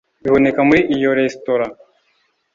biboneka muri iyo resitora(menu).